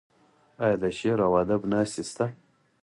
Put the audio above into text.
آیا د شعر او ادب ناستې شته؟